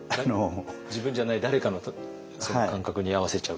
自分じゃない誰かの感覚に合わせちゃう。